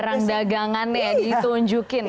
barang dagangannya ditunjukin ya